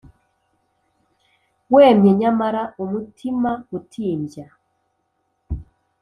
wemye nyamara umutimautimbya.